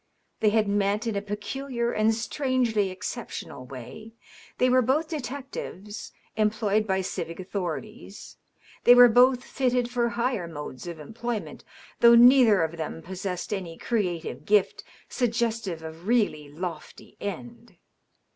They had met in a peculiar and strangely exceptional way. They were both detectives, employed by civic authorities. They were both fitted for higher modes of employment, though neither of them possessed any creative gift suggestive of really lofty end.